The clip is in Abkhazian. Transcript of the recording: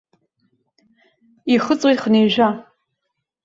Ихыҵуеит хынҩажәа.